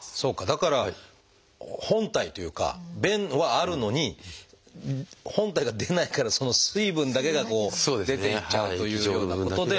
だから本体というか便はあるのに本体が出ないからその水分だけがこう出て行っちゃうということで。